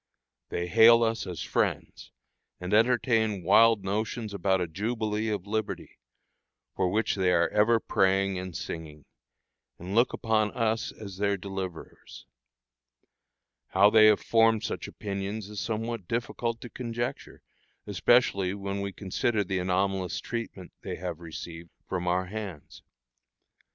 They hail us as friends, and entertain wild notions about a jubilee of liberty, for which they are ever praying and singing, and look upon us as their deliverers. How they have formed such opinions is somewhat difficult to conjecture, especially when we consider the anomalous treatment they have received from our hands.